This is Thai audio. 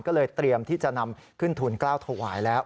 ก็เลยเตรียมที่จะนำขึ้นทุนกล้าวถวายแล้ว